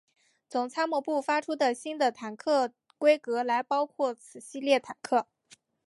总参谋部发出新的坦克规格来包括此系列坦克。